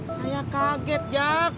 saya kaget jak